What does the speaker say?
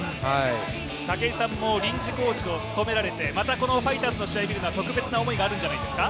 武井さんも臨時コーチを務められて、ファイターズの試合を見るのは特別な思いがあるんじゃないですか。